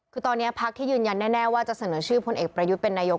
คือตอนนี้พักที่ยืนยันแน่ว่าจะเสนอชื่อพลเอกประยุทธ์เป็นนายก